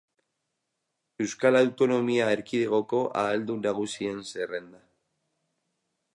Euskal Autonomia Erkidegoko ahaldun nagusien zerrenda.